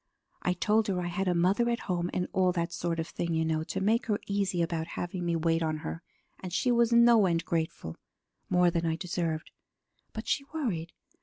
I told her I had a mother at home and all that sort of thing, you know, to make her easy about having me wait on her, and she was no end grateful more than I deserved. But she worried.